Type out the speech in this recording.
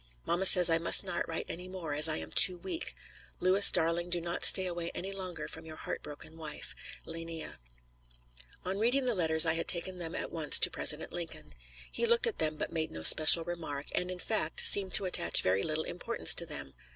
Mamma says I must not write any more, as I am too weak. Louis, darling, do not stay away any longer from your heart broken wife. LEENEA. On reading the letters, I had taken them at once to President Lincoln. He looked at them, but made no special remark, and, in fact, seemed to attach very little importance to them.